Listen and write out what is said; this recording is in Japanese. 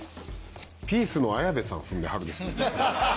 ピースの綾部さん住んではるんですよ。